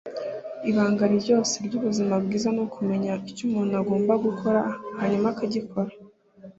Ibanga ryose ry'ubuzima bwiza ni ukumenya icyo umuntu agomba gukora, hanyuma akabikora.”